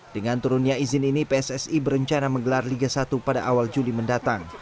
dengan turunnya izin ini pssi berencana menggelar liga satu pada awal juli mendatang